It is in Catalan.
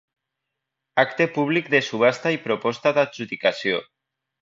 Acte públic de subhasta i proposta d'adjudicació.